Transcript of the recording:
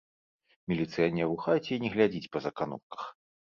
Міліцыянер у хаце й не глядзіць па заканурках.